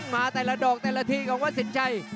มาแต่ละดอกแต่ละทีของวัดสินชัย